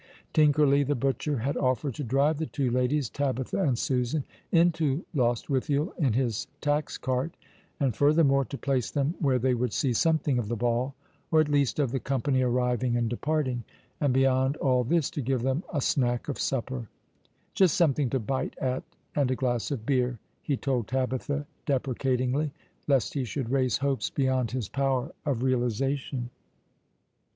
Tinkerly, the butcher, had offered to drive the two ladies — Tabitha and Susan — into Lostwithiel in his tax cart, and, further more, to place them where they would see something of the ball, or at leasi of the company arriving and departing, and beyond all this to give them a snack of supper, "Just some thing to bite at and a glass of beer," he told Tabitha deprecatingly, lest he should raise hopes beyond his power of realization.